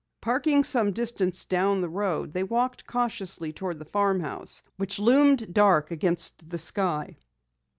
Parking some distance down the road, they walked cautiously toward the farmhouse which loomed dark against the sky.